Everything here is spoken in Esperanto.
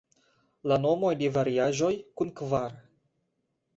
La nomoj de variaĵoj kun kvar.